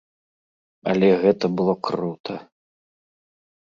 Але гэта было крута!